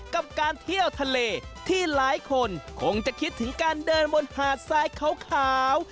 กับการเที่ยวทะเลที่หลายคนคงจะคิดถึงการเดินบนหาดทรายขาว